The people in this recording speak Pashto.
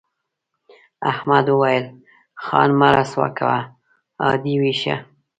احمد وویل خان مه رسوا کوه عادي وښیه.